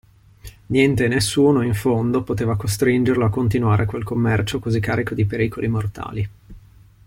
Niente e nessuno in fondo poteva costringerlo a continuare quel commercio così carico di pericoli mortali.